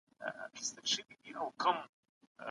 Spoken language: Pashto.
دا د عارفانو مور